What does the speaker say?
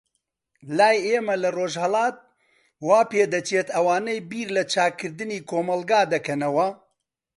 لای ئێمە لە ڕۆژهەلات، وا پێدەچێت ئەوانەی بیر لە چاکردنی کۆمەلگا دەکەنەوە.